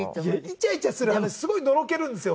イチャイチャする話すごいのろけるんですよ